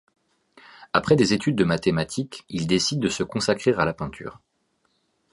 Après des études de mathématiques, il décide de se consacrer à la peinture.